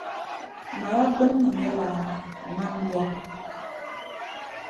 Naya gbinni nyɛla, “Nam ya”.